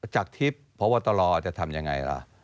จากทฤษฐ์เพราะว่าตลอดจะทำยังไงล่ะ